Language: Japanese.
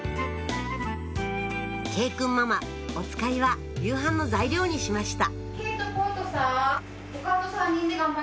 慶くんママおつかいは夕飯の材料にしました